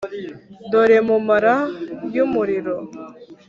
dore mumabara yumuriro .